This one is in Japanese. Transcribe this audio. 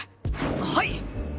はい！